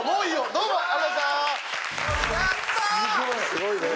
すごいね。